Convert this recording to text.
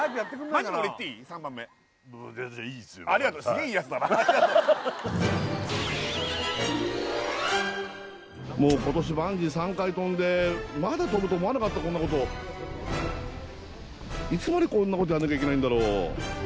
マジでありがとうもう今年バンジー３回とんでまだとぶと思わなかったこんなこといつまでこんなことやんなきゃいけないんだろう？